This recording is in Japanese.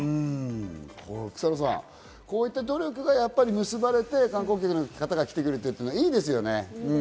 草野さん、こういった努力が結ばれて、観光客の方が来てくれていいですね。